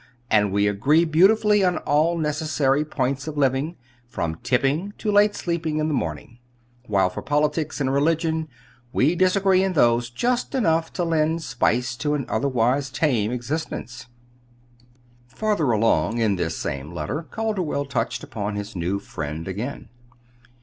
and we agree beautifully on all necessary points of living, from tipping to late sleeping in the morning; while as for politics and religion we disagree in those just enough to lend spice to an otherwise tame existence." Farther along in this same letter Calderwell touched upon his new friend again.